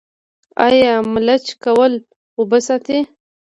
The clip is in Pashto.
آیا ملچ کول اوبه ساتي؟